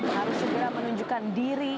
harus segera menunjukkan diri